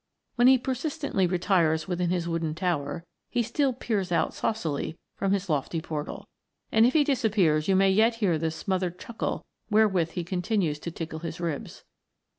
When he persistently retires within his wooden tower, he still peers out saucily from his lofty portal, and if he disappears you may yet hear the smothered chuckle wherewith he continues to tickle his ribs.